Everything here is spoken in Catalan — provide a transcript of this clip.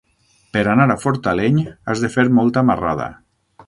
Per anar a Fortaleny has de fer molta marrada.